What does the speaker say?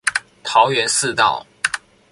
桃園市道